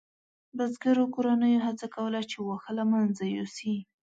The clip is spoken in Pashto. بزګرو کورنیو هڅه کوله چې واښه له منځه یوسي.